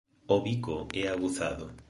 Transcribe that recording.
O bico é aguzado.